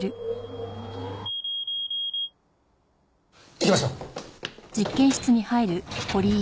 行きましょう。